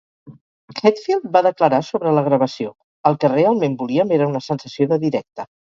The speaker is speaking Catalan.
Hetfield va declarar sobre la gravació: El que realment volíem era una sensació de directe.